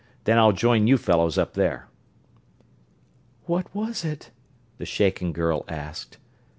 Then I'll join you fellows up there." "What was it?" the shaken girl asked.